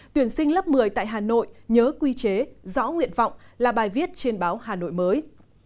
tuyển sinh lớp một mươi tại hà nội nhớ quy chế rõ nguyện vọng là bài viết trên báo hà nội mới